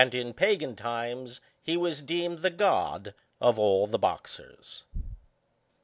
in pagan times he was deemed the god^ of all the boxers.